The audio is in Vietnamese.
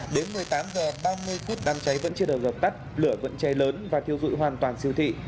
đến một mươi tám h ba mươi phút đám cháy vẫn chưa được dập tắt lửa vẫn cháy lớn và thiêu dụi hoàn toàn siêu thị